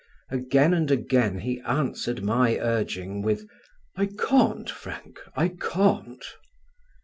Again and again he answered my urging with: "I can't, Frank, I can't."